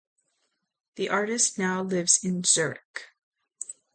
The artist now lives in Zurich.